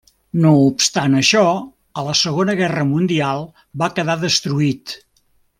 No obstant això, a la Segona Guerra Mundial va quedar destruït.